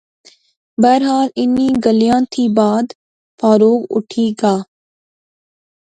بہرحال انیں گلیں تھی بعد فاروق اُٹھی گا